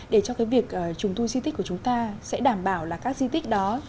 để cho cái việc trùng tu di tích của chúng ta sẽ đảm bảo là các di tích đó